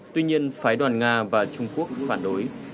tuy nhiên phái đoàn nga và trung quốc cũng phản đối